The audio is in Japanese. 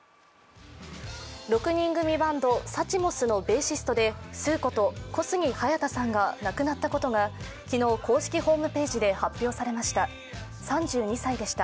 ６人組バンド、ＳｕｃｈｍｏｓのベーシストでＨＳＵこと小杉隼太さんが亡くなったことが公式ホームページで発表されました。